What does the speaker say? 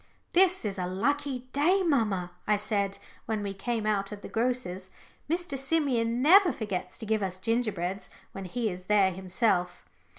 "This is a lucky day, mamma," I said, when we came out of the grocer's. "Mr. Simeon never forgets to give us gingerbreads when he is there himself."